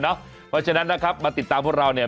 เพราะฉะนั้นนะครับมาติดตามพวกเราเนี่ย